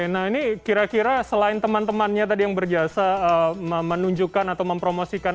nah ini kira kira selain teman temannya tadi yang berjasa menunjukkan atau mempromosikan